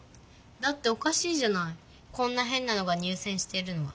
だっておかしいじゃないこんなへんなのが入せんしてるのは。